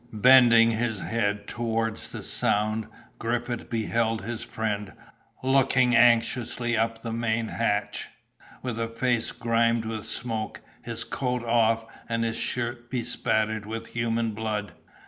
Bending his head towards the sound, Griffith beheld his friend, looking anxiously up the main hatch, with a face grimed with smoke, his coat off, and his shirt bespattered with human blood.